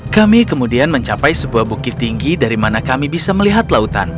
kami kemudian mencapai sebuah bukit tinggi dari mana kami bisa melihat lautan